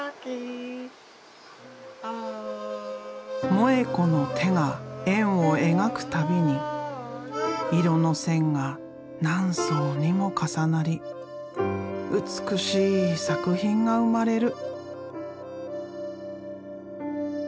萌子の手が円を描く度に色の線が何層にも重なり美しい作品が生まれる。